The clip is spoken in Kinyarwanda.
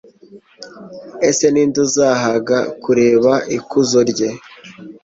ese ni nde uzahaga kureba ikuzo rye